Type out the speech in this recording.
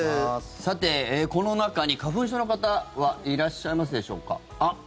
さて、この中に花粉症の方はいらっしゃいますでしょうか？